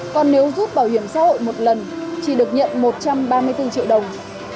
còn nếu rút bảo hiểm xã hội một lần chỉ được nhận một trăm ba mươi bốn triệu đồng